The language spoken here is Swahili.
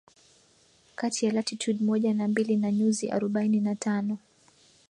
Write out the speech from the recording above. kati ya Latitude moja na mbili na nyuzi arobaini na tano